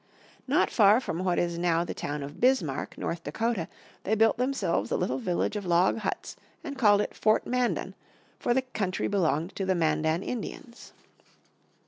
Not far from what is now the town of Bismarck, North Dakota, they built themselves a little village of log huts and called it Fort Mandan, for the country belonged to the Mandan Indians.